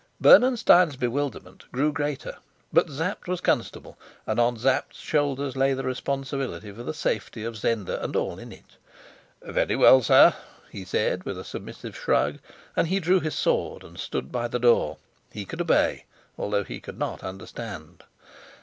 Bernenstein's bewilderment grew greater; but Sapt was constable, and on Sapt's shoulders lay the responsibility for the safety of Zenda and all in it. "Very well, sir," he said, with a submissive shrug, and he drew his sword and stood by the door; he could obey, although he could not understand.